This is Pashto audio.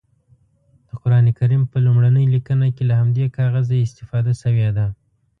د قرانکریم په لومړنۍ لیکنه کې له همدې کاغذه استفاده شوې ده.